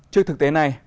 trước thực tế này